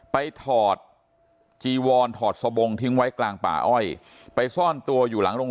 ถอดจีวอนถอดสบงทิ้งไว้กลางป่าอ้อยไปซ่อนตัวอยู่หลังโรง